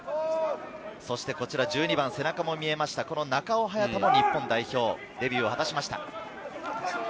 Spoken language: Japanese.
１２番、背中が見えました中尾隼太が日本代表、デビューを果たしました。